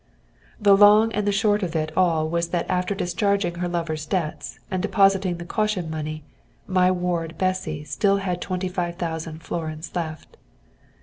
The long and the short of it all was that after discharging her lover's debts, and depositing the caution money, my ward Bessy still had twenty five thousand florins left.